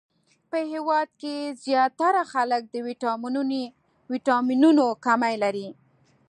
په هیواد کښی ځیاتره خلک د ويټامنونو کمې لری